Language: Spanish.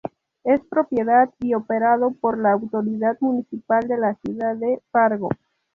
Es propiedad y operado por la Autoridad Municipal de la Ciudad de Fargo.